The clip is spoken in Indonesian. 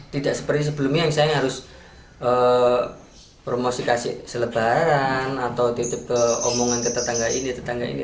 tidak seperti sebelumnya yang saya harus promosi kasih selebaran atau titip ke omongan ke tetangga ini tetangga ini